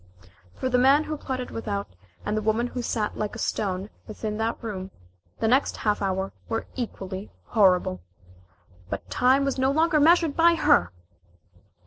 For the man who plotted without, and the woman who sat like a stone within that room, the next half hour were equally horrible. But time was no longer measured by her!